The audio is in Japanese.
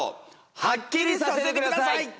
はっきりさせてください！